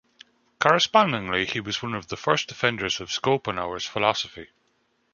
Correspondingly he was one of the first defenders of Schopenhauer's philosophy.